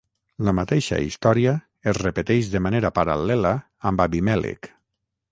La mateixa història es repeteix de manera paral·lela amb Abimèlec.